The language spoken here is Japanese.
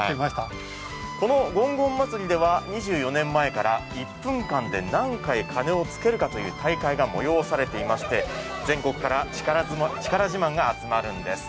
このごんごん祭りでは２４年前から１分間で何回鐘をつけるかという大会が催されていまして全国から力自慢が集まるんです。